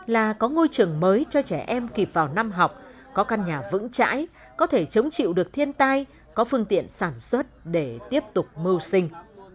là có ngôi trường mới cho trẻ em kịp vào năm học có căn nhà vững chãi có thể chống chịu được thiên tai có phương tiện sản xuất để tiếp tục mưu sinh